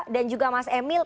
dan juga mas emil